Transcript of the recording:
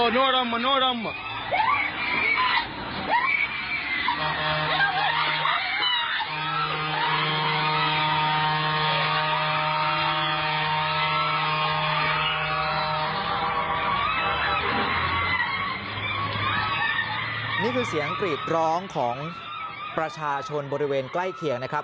นี่คือเสียงกรีดร้องของประชาชนบริเวณใกล้เคียงนะครับ